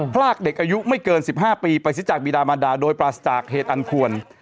พรากเด็กอายุไม่เกิน๑๕ปีไปซิจากบีดามันดาโดยปราศจากเหตุอันควร